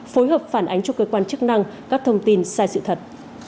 phối hợp phản ánh cho cơ quan chức năng các thông tin sai sự thật